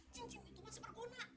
cincin itu masih berguna